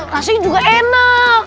rasanya juga enak